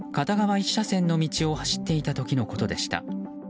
１車線の道を走っていた時のことでした。